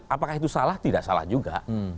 apakah itu salah tidak salah juga